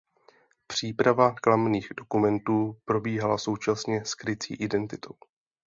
Příprava klamných dokumentů probíhala současně s krycí identitou.